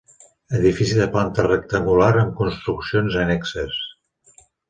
Edifici de planta rectangular amb construccions annexes.